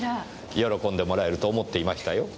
喜んでもらえると思っていましたよ。